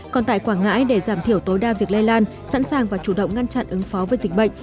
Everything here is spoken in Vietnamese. còn tại quảng ngãi để giảm thiểu tối đa việc lây lan sẵn sàng và chủ động ngăn chặn ứng phó với dịch bệnh